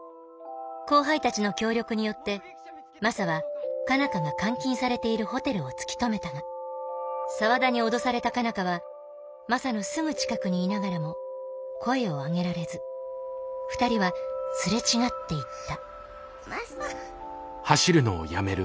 後輩たちの協力によってマサは佳奈花が監禁されているホテルを突き止めたが沢田に脅された佳奈花はマサのすぐ近くにいながらも声を上げられず２人はすれ違っていったマサ。